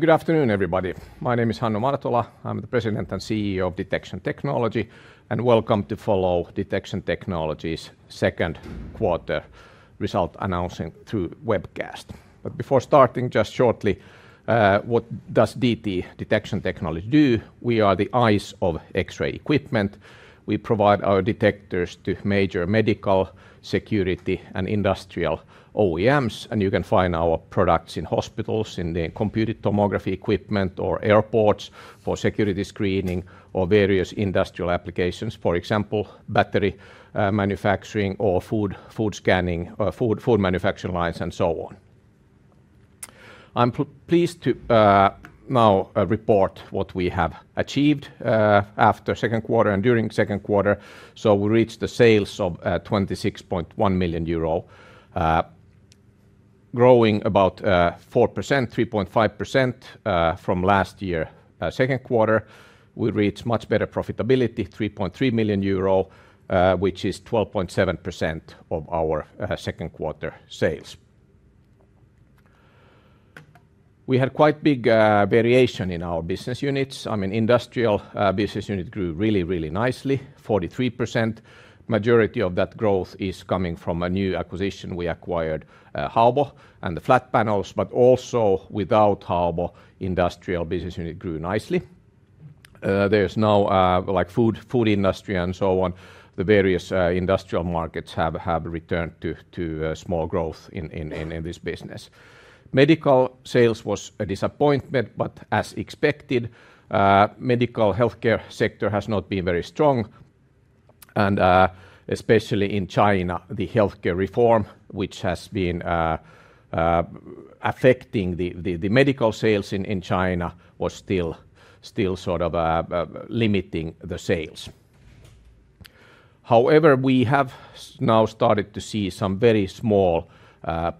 Good afternoon, everybody. My name is Hannu Martola. I'm the President and CEO of Detection Technology, and welcome to follow Detection Technology's second quarter result announcing through webcast. But before starting, just shortly, what does DT, Detection Technology, do? We are the eyes of X-ray equipment. We provide our detectors to major medical, security, and industrial OEMs, and you can find our products in hospitals, in the computed tomography equipment, or airports for security screening, or various industrial applications, for example, battery manufacturing or food scanning, or food manufacturing lines, and so on. I'm pleased to now report what we have achieved after second quarter and during second quarter. So we reached the sales of 26.1 million euro, growing about 4%, 3.5% from last year second quarter. We reached much better profitability, 3.3 million euro, which is 12.7% of our second quarter sales. We had quite big variation in our business units. I mean, industrial business unit grew really, really nicely, 43%. Majority of that growth is coming from a new acquisition. We acquired Haobo and the flat panels, but also without Haobo, industrial business unit grew nicely. There's now, like food industry and so on, the various industrial markets have returned to small growth in this business. Medical sales was a disappointment, but as expected, medical healthcare sector has not been very strong, and especially in China, the healthcare reform, which has been affecting the medical sales in China, was still sort of limiting the sales. However, we have now started to see some very small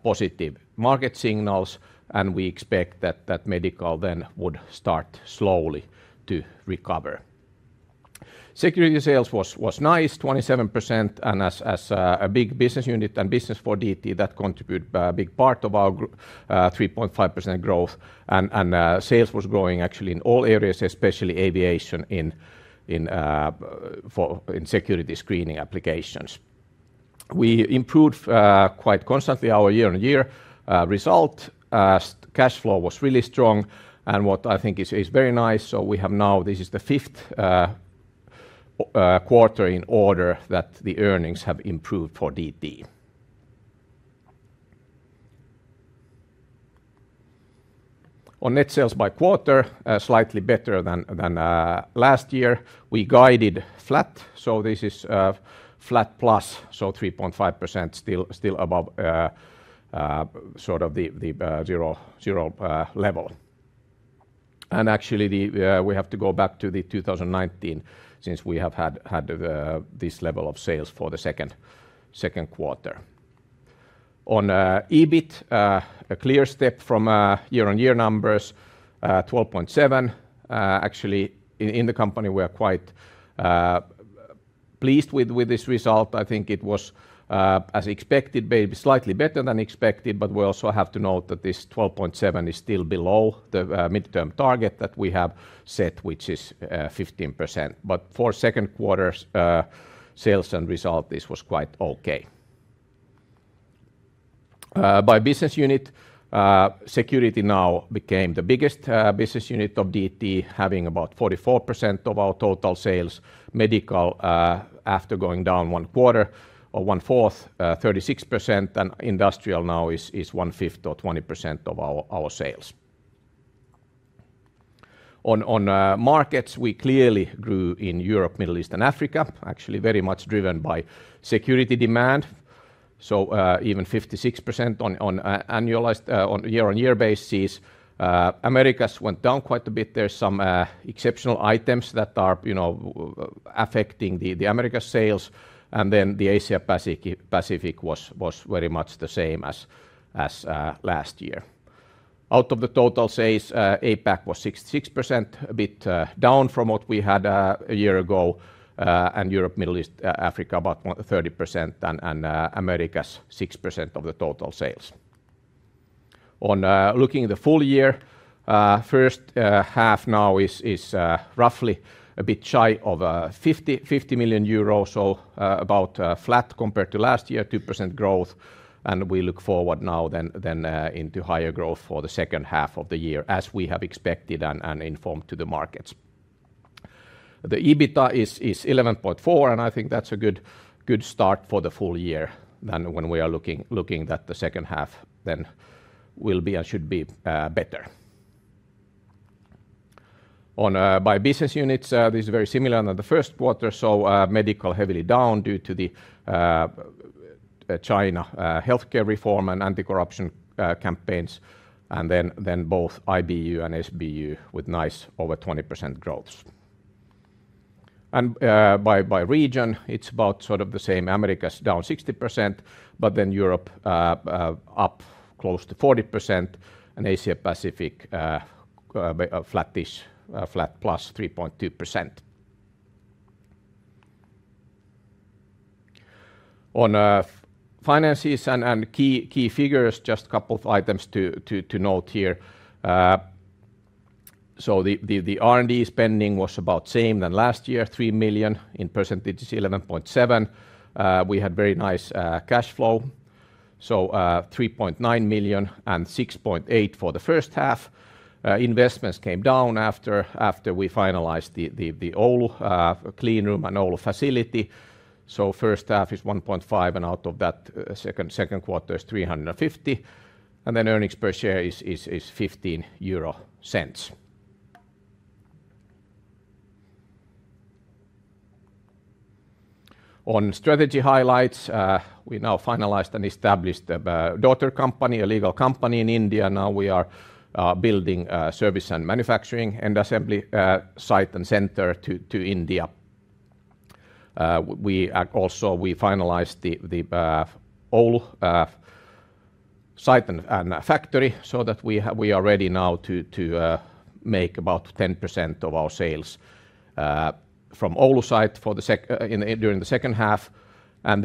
positive market signals, and we expect that medical then would start slowly to recover. Security sales was nice, 27%, and as a big business unit and business for DT, that contribute a big part of our 3.5% growth, and sales was growing actually in all areas, especially aviation in security screening applications. We improved quite constantly our year-on-year result. Cash flow was really strong, and what I think is very nice, so we have now this is the fifth quarter in order that the earnings have improved for DT. On net sales by quarter, slightly better than last year. We guided flat, so this is flat plus, so 3.5% still above sort of the 0.0 level. And actually, we have to go back to 2019, since we have had this level of sales for the second quarter. On EBIT, a clear step from year-on-year numbers, 12.7. Actually, in the company, we are quite pleased with this result. I think it was as expected, maybe slightly better than expected, but we also have to note that this 12.7 is still below the midterm target that we have set, which is 15%. But for second quarters sales and result, this was quite okay. By business unit, security now became the biggest business unit of DT, having about 44% of our total sales. Medical, after going down one quarter or one-fourth, 36%, and industrial now is one-fifth or 20% of our sales. On markets, we clearly grew in Europe, Middle East, and Africa, actually very much driven by security demand, so even 56% on annualized on year-on-year basis. Americas went down quite a bit. There's some exceptional items that are, you know, affecting the Americas sales, and then the Asia Pacific was very much the same as last year. Out of the total sales, APAC was 66%, a bit down from what we had a year ago, and Europe, Middle East, Africa, about 30%, and Americas, 6% of the total sales. On looking at the full year, first half now is roughly a bit shy of 50 million euros, so about flat compared to last year, 2% growth, and we look forward now then into higher growth for the second half of the year, as we have expected and informed to the markets. The EBITA is 11.4, and I think that's a good start for the full year than when we are looking that the second half then will be and should be better. On by business units, this is very similar than the first quarter, so medical heavily down due to the China healthcare reform and anti-corruption campaigns, and then both IBU and SBU with nice over 20% growths. And by region, it's about sort of the same. Americas down 60%, but then Europe up close to 40%, and Asia Pacific flattish, flat plus 3.2%.... On finances and key figures, just a couple of items to note here. So the R&D spending was about same than last year, 3 million, in percentage is 11.7%. We had very nice cash flow, so 3.9 million and 6.8 million for the first half. Investments came down after we finalized the Oulu clean room and Oulu facility. So first half is 1.5 million, and out of that, second quarter is 350 thousand. Then earnings per share is 0.15. On strategy highlights, we now finalized and established a daughter company, a legal company in India. Now we are building a service and manufacturing and assembly site and center to India. We are also—we finalized the Oulu site and factory, so that we are ready now to make about 10% of our sales from Oulu site during the second half. And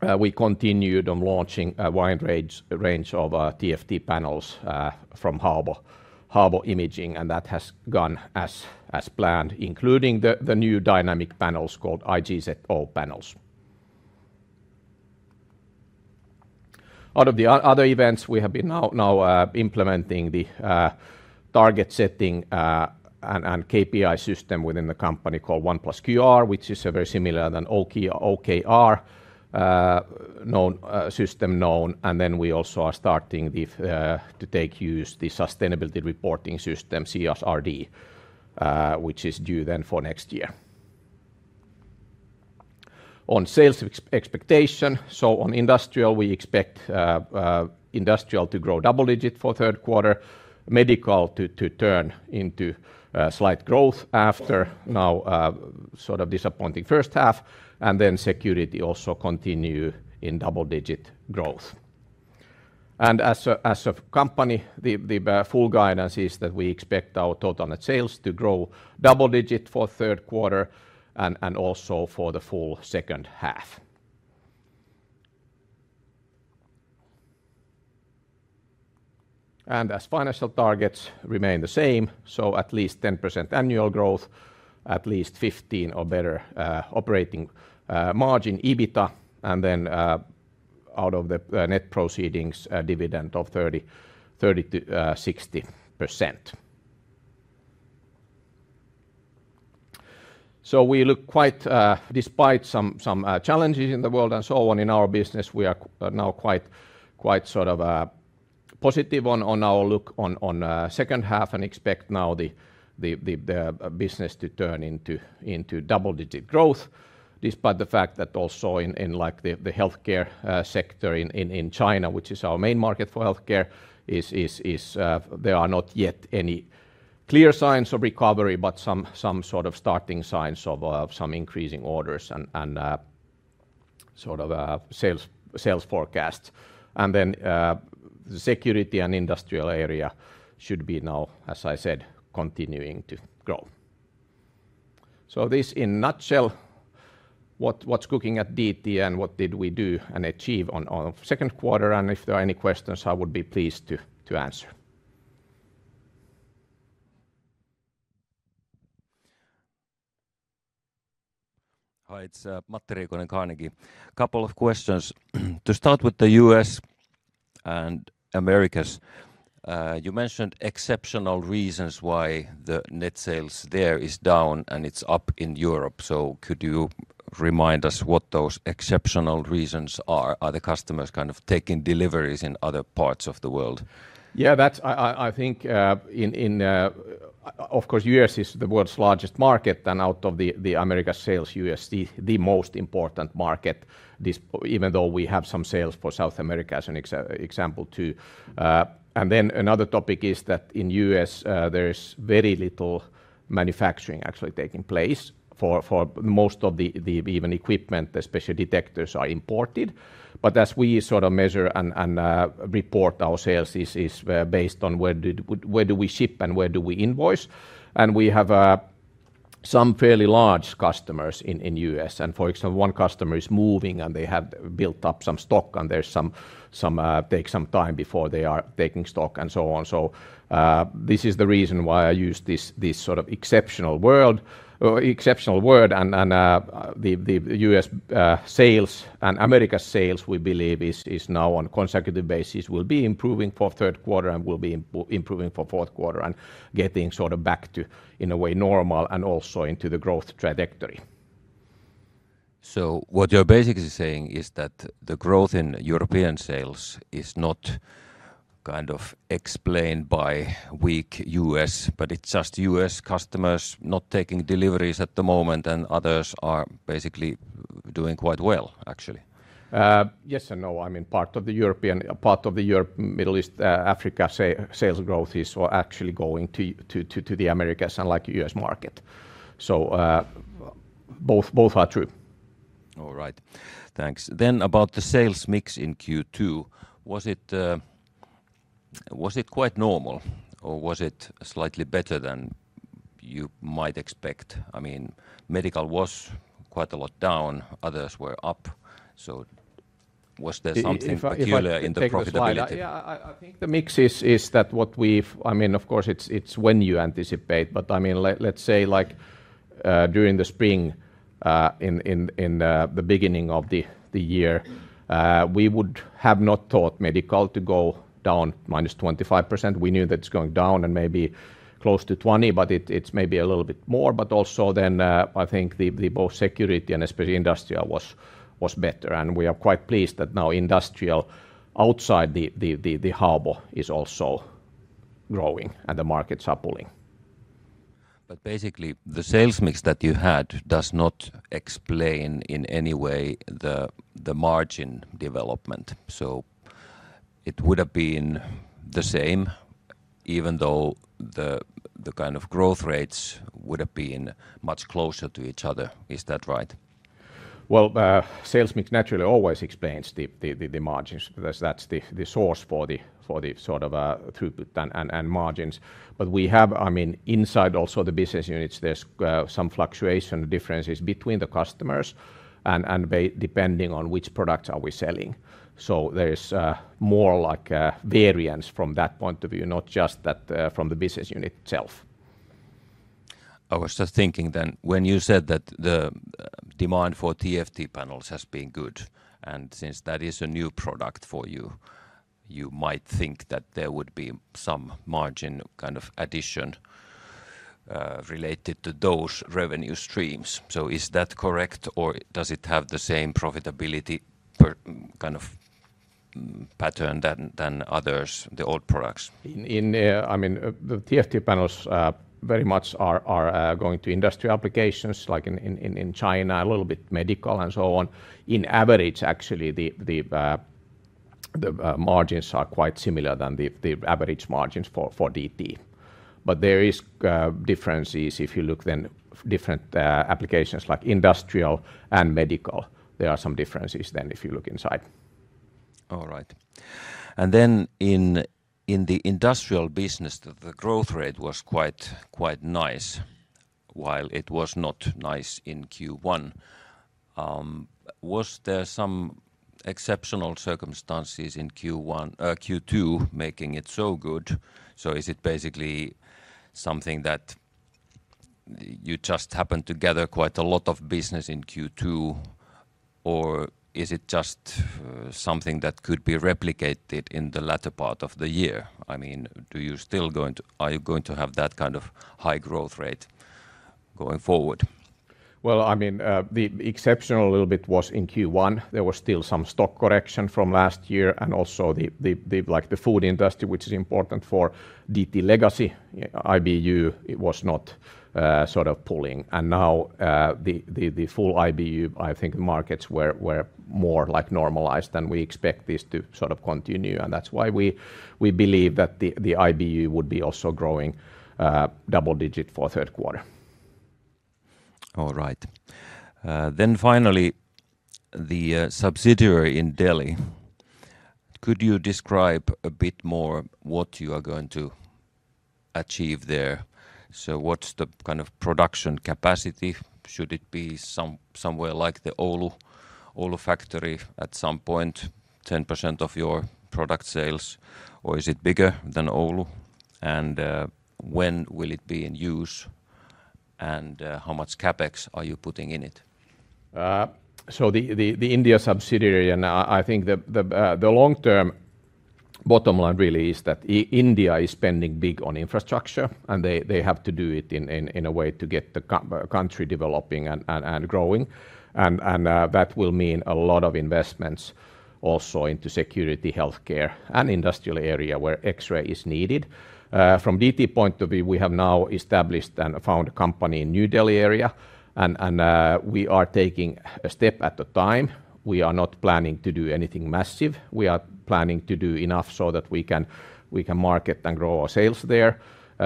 then, we continued on launching a wide range of TFT panels from Haobo Imaging, and that has gone as planned, including the new dynamic panels called IGZO panels. Out of the other events, we have been implementing the target setting and KPI system within the company called OnePlus QR, which is very similar to OKR, a known system. And then we also are starting to take use the sustainability reporting system, CSRD, which is due then for next year. On sales expectation, so on industrial, we expect industrial to grow double-digit for third quarter, medical to turn into slight growth after sort of disappointing first half, and then security also continue in double-digit growth. As a company, the full guidance is that we expect our total net sales to grow double-digit for third quarter and also for the full second half. As financial targets remain the same, so at least 10% annual growth, at least 15 or better operating margin, EBITDA, and then out of the net proceeds, a dividend of 30%-60%. So we look quite, despite some, some challenges in the world and so on in our business, we are now quite sort of positive on our look on the second half and expect now the business to turn into double-digit growth, despite the fact that also in, like, the healthcare sector in China, which is our main market for healthcare, there are not yet any clear signs of recovery, but some sort of starting signs of some increasing orders and sort of sales forecasts. And then, the security and industrial area should be now, as I said, continuing to grow. So this in nutshell, what's cooking at DT and what did we do and achieve on our second quarter, and if there are any questions, I would be pleased to answer. Hi, it's Matti Riikonen, Carnegie. Couple of questions. To start with the U.S. and Americas, you mentioned exceptional reasons why the net sales there is down, and it's up in Europe, so could you remind us what those exceptional reasons are? Are the customers kind of taking deliveries in other parts of the world? Yeah, I think in. Of course, the U.S. is the world's largest market, and out of the Americas sales, the U.S. is the most important market, this even though we have some sales for South America as an example, too. And then another topic is that in the U.S., there's very little manufacturing actually taking place for most of the even equipment, especially detectors, are imported. But as we sort of measure and report our sales is based on where we ship and where we invoice, and we have some fairly large customers in the U.S. And for example, one customer is moving, and they have built up some stock, and there's some take some time before they are taking stock and so on. So, this is the reason why I use this, this sort of exceptional world, exceptional word, and the U.S. sales and Americas sales, we believe, is now on consecutive basis, will be improving for third quarter and will be improving for fourth quarter and getting sort of back to, in a way, normal and also into the growth trajectory. So what you're basically saying is that the growth in European sales is not kind of explained by weak U.S., but it's just U.S. customers not taking deliveries at the moment, and others are basically doing quite well, actually? Yes and no. I mean, part of the Europe, Middle East, Africa sales growth is actually going to the Americas, unlike U.S. market. So, both are true. All right. Thanks. Then about the sales mix in Q2, was it quite normal or was it slightly better than you might expect? I mean, medical was quite a lot down, others were up. So was there something- If I - particular in the profitability? Take the slide? Yeah, I think the mix is that what we've... I mean, of course, it's when you anticipate, but I mean, let's say, like, during the spring, in the beginning of the year, we would have not thought medical to go down minus 25%. We knew that it's going down and maybe close to 20, but it's maybe a little bit more. But also then, I think the both security and especially industrial was better. And we are quite pleased that now industrial outside the Haobo is also growing and the markets are pulling. Basically, the sales mix that you had does not explain in any way the margin development. It would have been the same, even though the kind of growth rates would have been much closer to each other. Is that right? Well, sales mix naturally always explains the margins. That's the source for the sort of throughput and margins. But we have, I mean, inside also the business units, there's some fluctuation differences between the customers and depending on which products are we selling. So there is more like a variance from that point of view, not just that from the business unit itself. I was just thinking then, when you said that the demand for TFT panels has been good, and since that is a new product for you, you might think that there would be some margin kind of addition related to those revenue streams. So is that correct, or does it have the same profitability per, kind of, pattern than others, the old products? I mean, the TFT panels very much are going to industrial applications like in China, a little bit medical and so on. In average, actually, the margins are quite similar than the average margins for DT. But there is differences if you look then different applications like industrial and medical. There are some differences then if you look inside. All right. And then in the industrial business, the growth rate was quite nice, while it was not nice in Q1. Was there some exceptional circumstances in Q1, Q2 making it so good? So is it basically something that you just happened to gather quite a lot of business in Q2, or is it just something that could be replicated in the latter part of the year? I mean, do you still going to. Are you going to have that kind of high growth rate going forward? Well, I mean, the exceptional little bit was in Q1. There was still some stock correction from last year, and also the, like, the food industry, which is important for DT legacy IBU, it was not, sort of pulling. And now, the full IBU, I think markets were more like normalized, and we expect this to sort of continue, and that's why we believe that the IBU would be also growing, double digit for third quarter. All right. Then finally, the subsidiary in Delhi. Could you describe a bit more what you are going to achieve there? So what's the kind of production capacity? Should it be somewhere like the Oulu, Oulu factory at some point, 10% of your product sales, or is it bigger than Oulu? And when will it be in use, and how much CapEx are you putting in it? So the India subsidiary, and I think the long-term bottom line really is that India is spending big on infrastructure, and they have to do it in a way to get the country developing and growing. And that will mean a lot of investments also into security, healthcare, and industrial area where X-ray is needed. From DT point of view, we have now established and found a company in New Delhi area, and we are taking a step at a time. We are not planning to do anything massive. We are planning to do enough so that we can market and grow our sales there,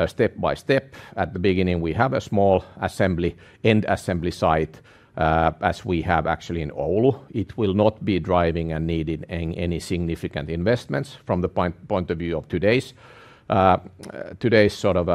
step by step. At the beginning, we have a small assembly, end assembly site, as we have actually in Oulu. It will not be driving and needing any significant investments from the point of view of today's sort of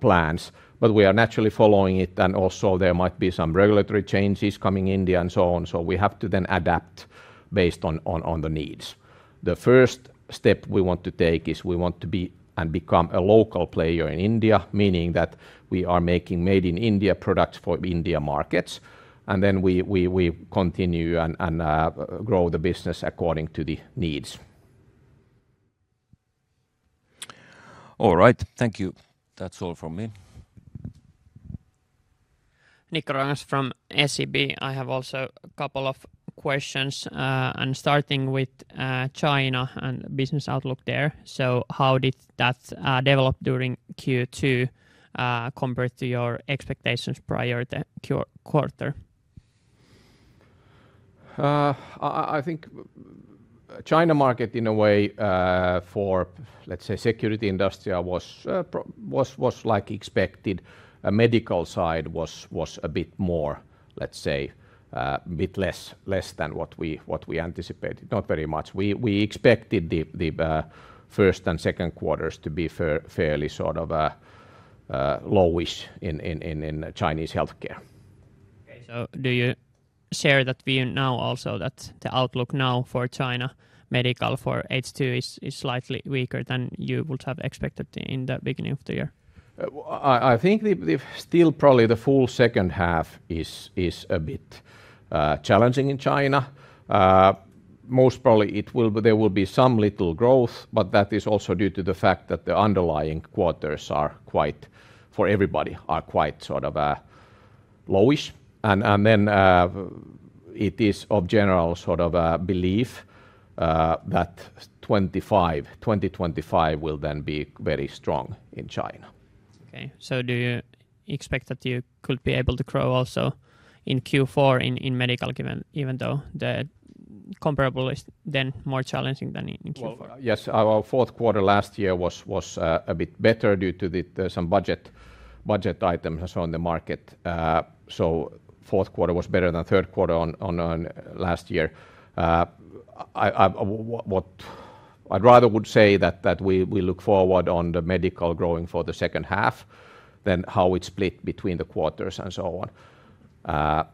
plans. But we are naturally following it, and also there might be some regulatory changes coming in India and so on. So we have to then adapt based on the needs. The first step we want to take is we want to be and become a local player in India, meaning that we are making Made in India products for Indian markets, and then we continue and grow the business according to the needs. All right. Thank you. That's all from me. Nikko Ruokangas from SEB. I have also a couple of questions, and starting with China and business outlook there. So how did that develop during Q2, compared to your expectations prior to the quarter? I think China market, in a way, for, let's say, security industrial was like expected. A medical side was a bit less than what we anticipated, not very much. We expected the first and second quarters to be fairly sort of low-ish in Chinese healthcare. Okay. So do you share that view now also, that the outlook now for China medical for H2 is, is slightly weaker than you would have expected in the beginning of the year? I think still probably the full second half is a bit challenging in China. Most probably there will be some little growth, but that is also due to the fact that the underlying quarters are quite low-ish for everybody. It is of general belief that 2025 will then be very strong in China. Okay. So do you expect that you could be able to grow also in Q4, in, in medical, given even though the comparable is then more challenging than in, in Q4? Well, yes, our fourth quarter last year was a bit better due to some budget items and so on the market. So fourth quarter was better than third quarter on last year. I'd rather would say that we look forward on the medical growing for the second half than how it's split between the quarters and so on.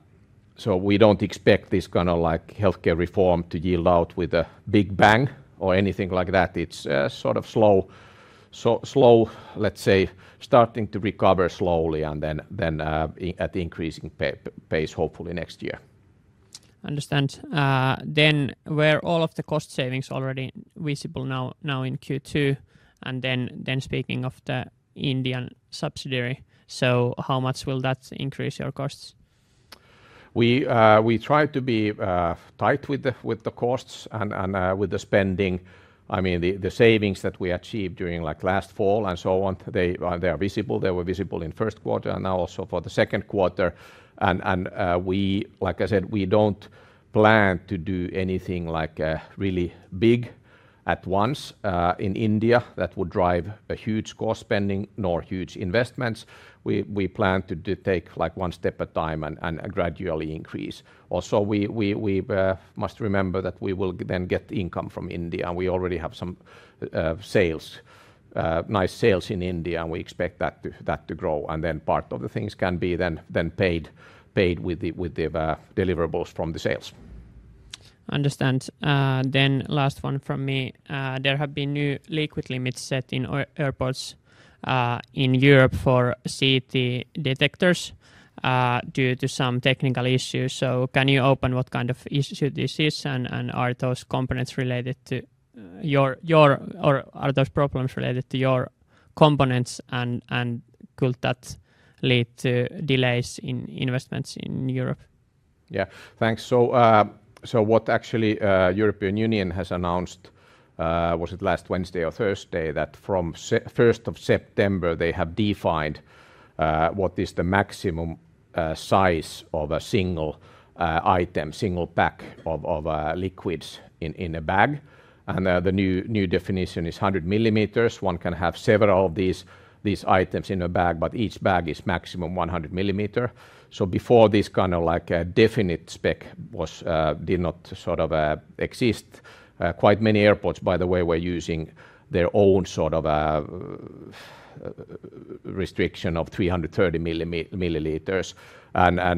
So we don't expect this kind of, like, healthcare reform to yield out with a big bang or anything like that. It's sort of slow, so slow, let's say, starting to recover slowly and then at increasing pace, hopefully next year. Understand. Then were all of the cost savings already visible now in Q2? And then speaking of the Indian subsidiary, so how much will that increase your costs? We try to be tight with the costs and with the spending. I mean, the savings that we achieved during, like, last fall and so on, they are visible. They were visible in first quarter, and now also for the second quarter. And, like I said, we don't plan to do anything, like, really big at once in India that would drive a huge cost spending nor huge investments. We plan to take, like, one step at a time and gradually increase. Also, we must remember that we will then get income from India, and we already have some sales, nice sales in India, and we expect that to grow. And then part of the things can be then paid with the deliverables from the sales. Understood. Then last one from me. There have been new liquid limits set in airports in Europe for CT detectors due to some technical issues. So can you open what kind of issue this is? And are those components related to your components? Or are those problems related to your components, and could that lead to delays in investments in Europe? Yeah. Thanks. So, so what actually, European Union has announced, was it last Wednesday or Thursday, that from September first, they have defined, what is the maximum, size of a single, item, single pack of, of, liquids in, in a bag, and, the new, new definition is 100 millimeters. One can have several of these, these items in a bag, but each bag is maximum 100 millimeter. So before this kind of, like, a definite spec was, did not sort of, exist, quite many airports, by the way, were using their own sort of, restriction of 330 milliliters.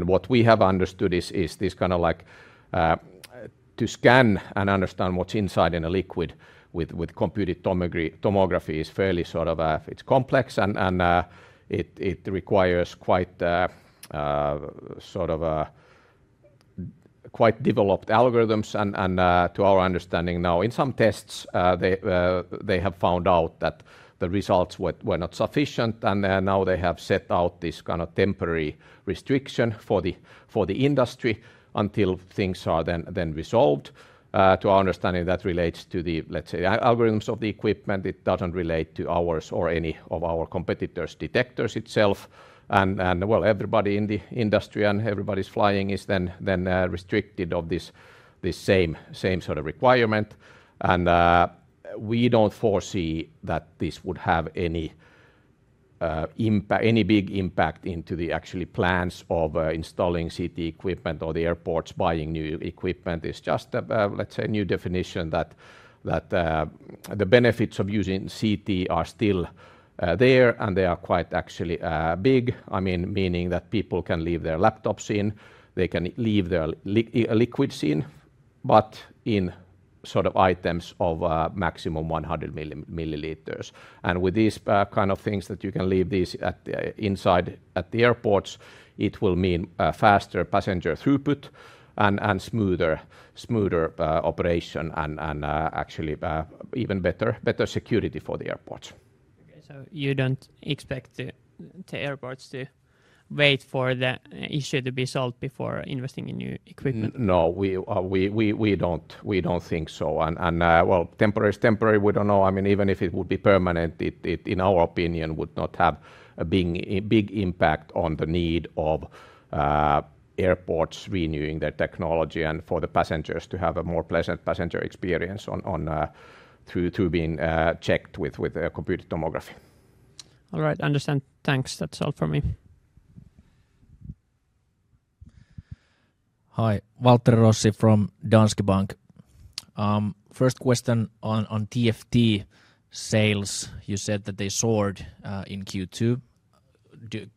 What we have understood is this kind of like to scan and understand what's inside in a liquid with computed tomography is fairly sort of it's complex and it requires quite sort of quite developed algorithms. And to our understanding now, in some tests, they have found out that the results were not sufficient, and now they have set out this kind of temporary restriction for the industry until things are then resolved. To our understanding, that relates to the, let's say, algorithms of the equipment. It doesn't relate to ours or any of our competitors' detectors itself. And well, everybody in the industry and everybody's flying is then restricted of this same sort of requirement. We don't foresee that this would have any big impact into the actual plans of installing CT equipment or the airports buying new equipment. It's just a, let's say, a new definition that the benefits of using CT are still there, and they are quite actually big. I mean, meaning that people can leave their laptops in, they can leave their liquids in, but in sort of items of maximum 100 milliliters. With these kind of things that you can leave these inside the airports, it will mean faster passenger throughput and smoother operation and actually even better security for the airports. Okay. So you don't expect the airports to wait for the issue to be solved before investing in new equipment? No, we don't think so. And, well, temporary is temporary. We don't know. I mean, even if it would be permanent, it, in our opinion, would not have a big impact on the need of airports renewing their technology and for the passengers to have a more pleasant passenger experience on through being checked with computed tomography.... All right, understand. Thanks. That's all for me. Hi, Waltteri Rossi from Danske Bank. First question on TFT sales. You said that they soared in Q2.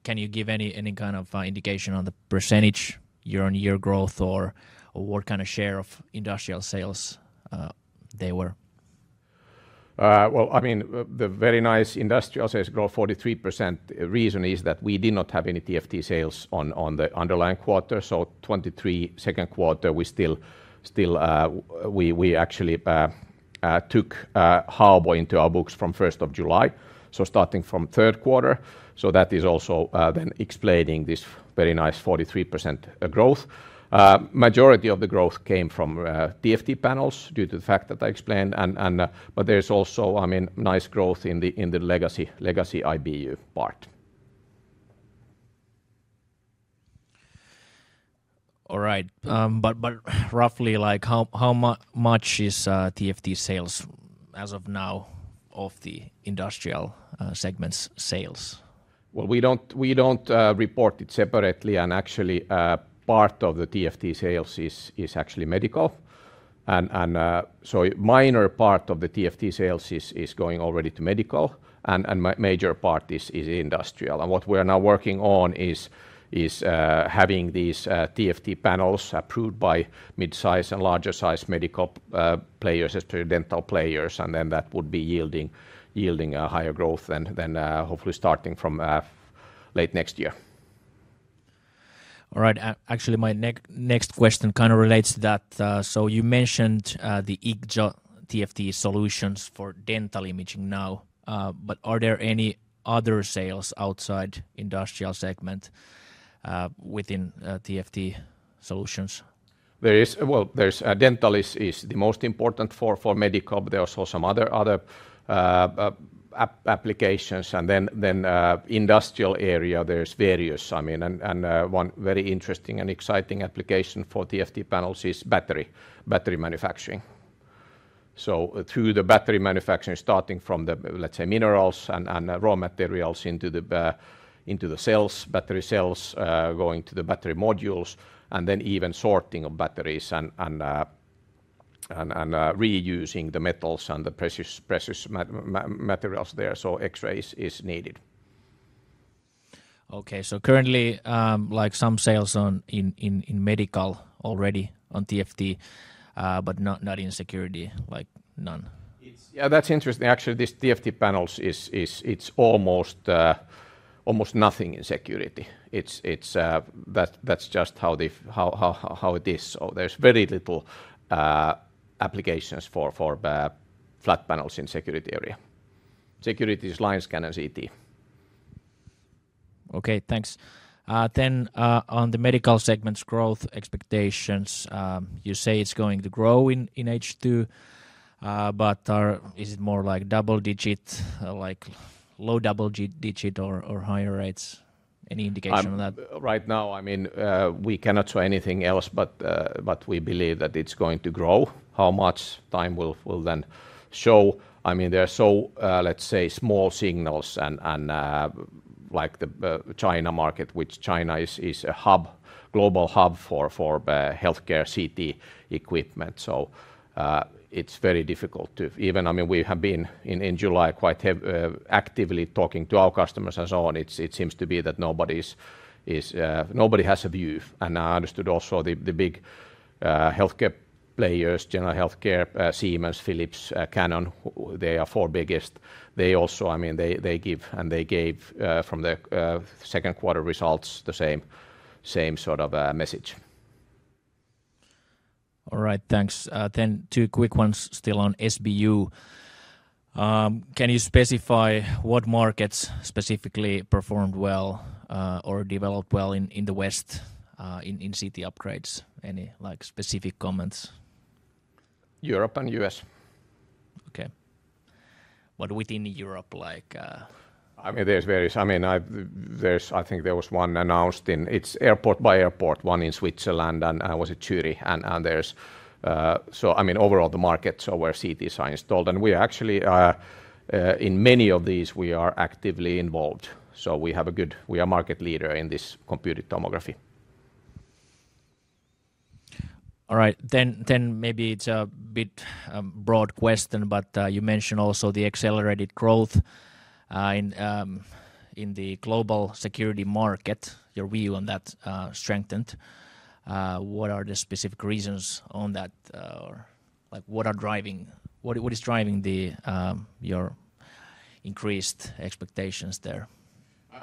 Can you give any kind of indication on the percentage, year-on-year growth, or what kind of share of industrial sales they were? Well, I mean, the very nice industrial sales grow 43%. Reason is that we did not have any TFT sales on the underlying quarter, so 2023 second quarter, we still actually took Haobo into our books from 1st of July. So starting from third quarter, so that is also then explaining this very nice 43% growth. Majority of the growth came from TFT panels due to the fact that I explained and but there's also, I mean, nice growth in the legacy IBU part. All right. But roughly, like, how much is TFT sales as of now of the industrial segments' sales? Well, we don't, we don't report it separately, and actually, part of the TFT sales is actually medical. And, so minor part of the TFT sales is going already to medical, and major part is industrial. And what we are now working on is having these TFT panels approved by mid-size and larger-size medical players, as to dental players, and then that would be yielding a higher growth than, hopefully starting from late next year. All right. Actually, my next question kind of relates to that. So you mentioned the IGZO TFT solutions for dental imaging now, but are there any other sales outside industrial segment within TFT solutions? There is... Well, there's dental is the most important for medical, but there are also some other applications, and then industrial area, there's various, I mean. And one very interesting and exciting application for TFT panels is battery manufacturing. So through the battery manufacturing, starting from the, let's say, minerals and raw materials into the cells, battery cells, going to the battery modules, and then even sorting of batteries and reusing the metals and the precious materials there. So X-ray is needed. Okay. So currently, like some sales in medical already on TFT, but not in security, like none? Yeah, that's interesting. Actually, this TFT panels is it's almost almost nothing in security. It's that's just how it is. So there's very little applications for flat panels in security area. Security is line scanner CT. Okay, thanks. Then, on the medical segment's growth expectations, you say it's going to grow in H2, but is it more like double digit, like low double digit or higher rates? Any indication on that? Right now, I mean, we cannot say anything else, but, but we believe that it's going to grow. How much? Time will then show. I mean, there are so, let's say, small signals and, like the China market, which China is a hub, global hub for healthcare CT equipment. So, it's very difficult to even—I mean, we have been in July, quite actively talking to our customers and so on. It seems to be that nobody's is, nobody has a view. And I understood also the big healthcare players, GE HealthCare, Siemens, Philips, Canon, they are four biggest. They also, I mean, they give and they gave, from the second quarter results, the same sort of message. All right. Thanks. Then two quick ones still on SBU. Can you specify what markets specifically performed well, or developed well in the West, in CT upgrades? Any, like, specific comments? Europe and U.S. Okay. What within Europe, like, I mean, there's various. I mean, I think there was one announced in. It's airport by airport, one in Switzerland, and was it Zürich? And there's, so I mean, overall, the markets are where CTs are installed. And we are actually in many of these, we are actively involved. So we are market leader in this computed tomography. All right. Then maybe it's a bit broad question, but you mentioned also the accelerated growth in the global security market, your view on that strengthened. What are the specific reasons on that, or like, what are driving... What is driving your increased expectations there?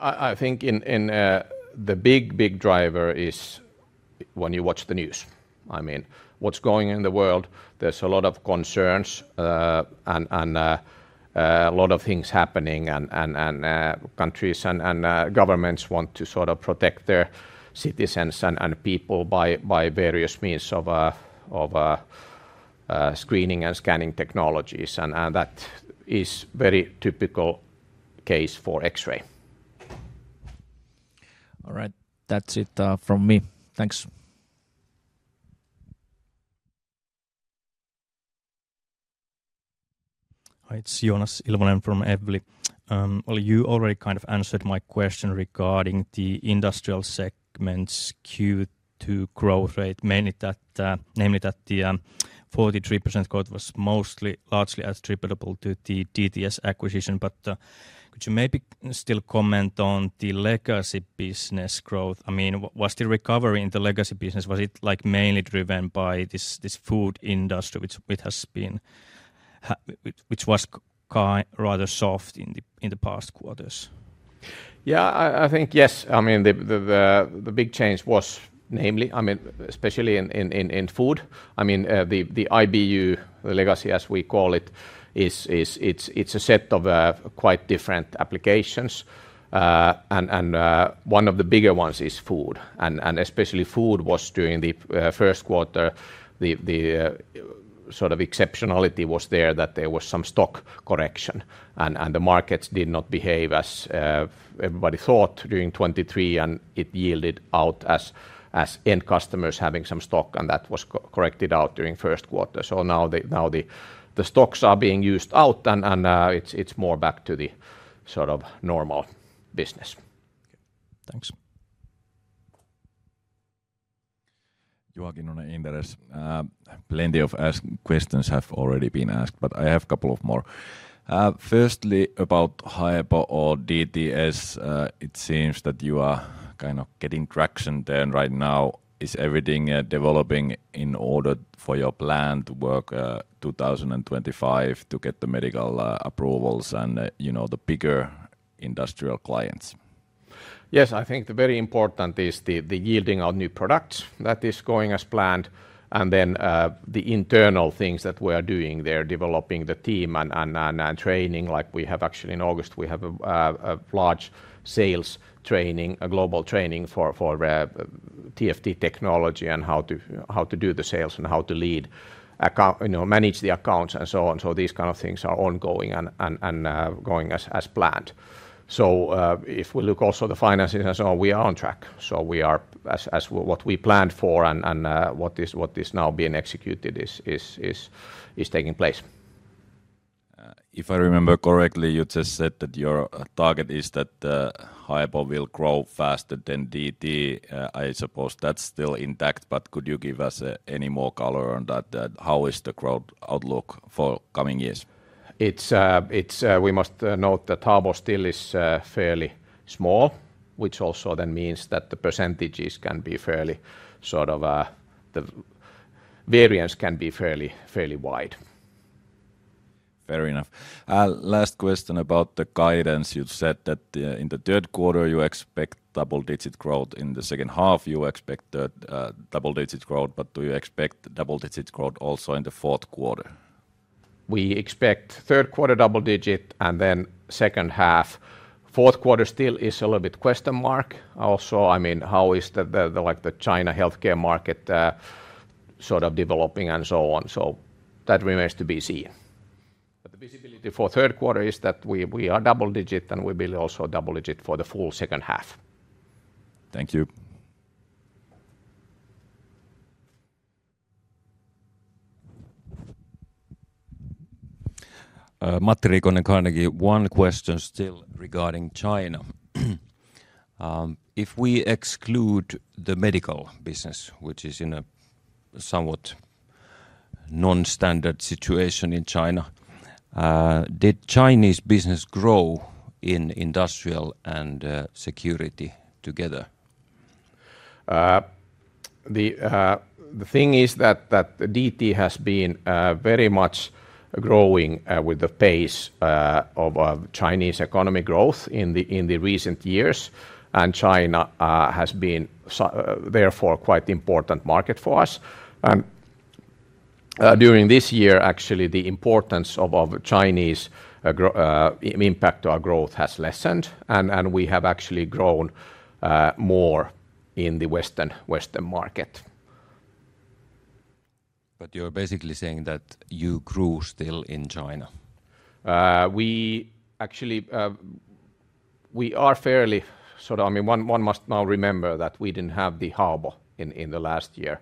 I think the big driver is when you watch the news. I mean, what's going on in the world, there's a lot of concerns and a lot of things happening, and countries and governments want to sort of protect their citizens and people by various means of screening and scanning technologies, and that is very typical case for X-ray. All right. That's it, from me. Thanks. ... Hi, it's Joonas Ilvonen from Evli. Well, you already kind of answered my question regarding the industrial segment's Q2 growth rate, mainly that, namely that the 43% growth was mostly largely attributable to the DT's acquisition. But, could you maybe still comment on the legacy business growth? I mean, was the recovery in the legacy business, was it, like, mainly driven by this, this food industry which, which has been, which, which was rather soft in the, in the past quarters? Yeah, I think, yes. I mean, the big change was namely... I mean, especially in food. I mean, the IBU, the legacy, as we call it, is a set of quite different applications. And one of the bigger ones is food. And especially food was during the first quarter, the sort of exceptionality was there, that there was some stock correction. And the markets did not behave as everybody thought during 2023, and it yielded out as end customers having some stock, and that was corrected out during first quarter. So now the stocks are being used out, and it's more back to the sort of normal business. Okay. Thanks. Joakim Nornes, Inderes. Plenty of asked questions have already been asked, but I have a couple of more. Firstly, about Haobo or DTS, it seems that you are kind of getting traction there right now. Is everything developing in order for your plan to work 2025 to get the medical approvals and you know the bigger industrial clients? Yes, I think the very important is the yielding of new products. That is going as planned, and then the internal things that we are doing there, developing the team and training, like we have actually in August, we have a large sales training, a global training for TFT technology and how to do the sales and how to lead accounts, you know, manage the accounts and so on. So these kind of things are ongoing and going as planned. So, if we look also the finances and so on, we are on track. So we are as what we planned for and what is now being executed is taking place. If I remember correctly, you just said that your target is that Hao will grow faster than DT. I suppose that's still intact, but could you give us any more color on that? How is the growth outlook for coming years? It's... We must note that Haobo still is fairly small, which also then means that the percentages can be fairly sort of, the variance can be fairly, fairly wide. Fair enough. Last question about the guidance. You said that, in the third quarter, you expect double-digit growth. In the second half, you expect, double-digit growth, but do you expect double-digit growth also in the fourth quarter? We expect third quarter double digit, and then second half. Fourth quarter still is a little bit question mark. Also, I mean, how is, like, the China healthcare market sort of developing and so on? So that remains to be seen. But the visibility for third quarter is that we are double digit, and we'll be also double digit for the full second half. Thank you. Matti Riikonen, Carnegie. One question still regarding China. If we exclude the medical business, which is in a somewhat non-standard situation in China, did Chinese business grow in industrial and, security together? The thing is that DT has been very much growing with the pace of Chinese economy growth in the recent years, and China has been, therefore, quite important market for us. And during this year, actually, the importance of our Chinese growth impact to our growth has lessened, and we have actually grown more in the Western market. But you're basically saying that you grew still in China? We actually, we are fairly sort of... I mean, one must now remember that we didn't have the Haobo in the last year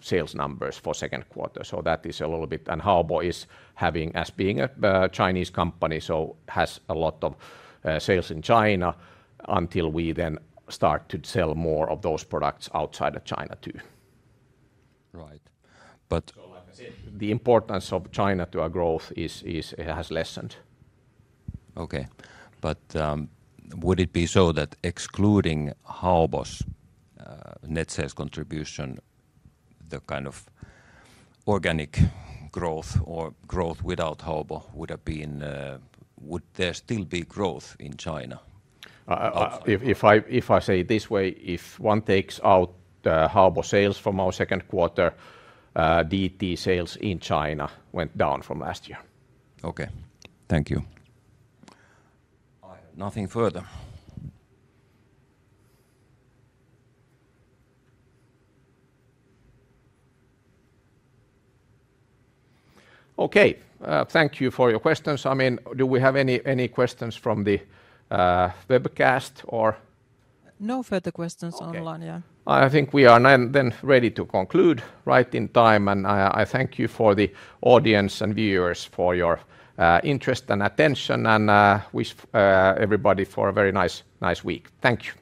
sales numbers for second quarter, so that is a little bit... And Haobo is having, as being a Chinese company, so has a lot of sales in China, until we then start to sell more of those products outside of China, too. Right. But- So like I said, the importance of China to our growth is, it has lessened. Okay, but, would it be so that excluding Haobo's net sales contribution, the kind of organic growth or growth without Haobo would have been, would there still be growth in China of- If I say this way, if one takes out Haobo sales from our second quarter, DT sales in China went down from last year. Okay. Thank you. I have nothing further. Okay, thank you for your questions. I mean, do we have any, any questions from the webcast or- No further questions online, yeah. Okay. I think we are then ready to conclude right in time, and I thank you for the audience and viewers for your interest and attention, and wish everybody for a very nice week. Thank you.